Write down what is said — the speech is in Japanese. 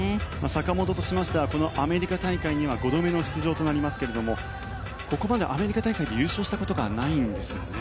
坂本としましてはアメリカ大会には５度目の出場となりますけれどもここまでアメリカ大会で優勝したことがないんですね。